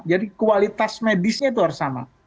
jadi kualitas medisnya itu harus sama